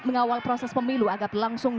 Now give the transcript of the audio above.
mengawal proses pemilu agar langsung